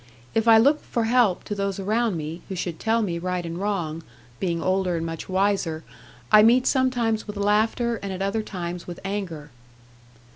If I look for help to those around me, who should tell me right and wrong (being older and much wiser), I meet sometimes with laughter, and at other times with anger.